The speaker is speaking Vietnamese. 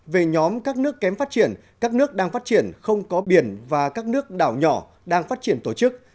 về nhóm các nước kém phát triển các nước đang phát triển không có biển và các nước đảo nhỏ đang phát triển tổ chức